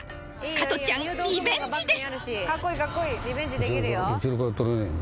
加トちゃんリベンジです！